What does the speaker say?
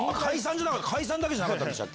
解散じゃなかったでした？